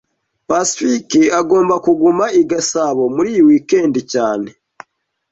Pacifique agomba kuguma i Gasabo muri iyi weekend cyane